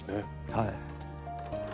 はい。